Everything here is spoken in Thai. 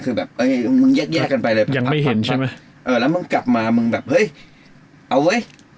คือแบบมึงแยกกันไปเลยปัดแล้วมึงกลับมามึงแบบเฮ้ยเอาเว้ย